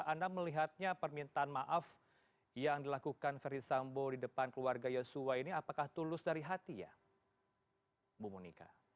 anda melihatnya permintaan maaf yang dilakukan ferdisambo di depan keluarga yosua ini apakah tulus dari hati ya bu monika